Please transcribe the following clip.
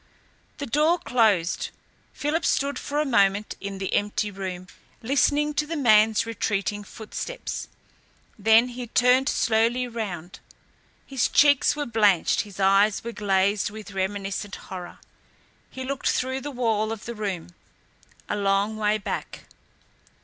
The door closed. Philip stood for a moment in the empty room, listening to the man's retreating footsteps. Then he turned slowly around. His cheeks were blanched, his eyes were glazed with reminiscent horror. He looked through the wall of the room a long way back.